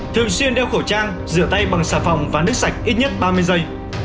thường xuyên đeo khẩu trang rửa tay bằng xà phòng và nước sạch ít nhất ba mươi giây